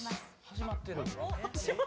始まってる？